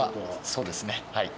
そうですねはい。